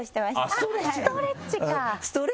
あっストレッチか！